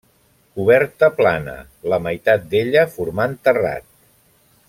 Coberta plana, la meitat d'ella formant terrat.